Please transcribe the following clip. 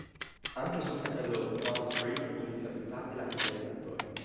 Anche suo fratello Thomas Rea inizia più tardi la carriera di attore.